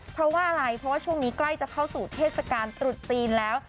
เพราะว่าอะไรเพราะว่าช่วงนี้ใกล้จะเข้าสู่เทศกาลตรุษจีนแล้ว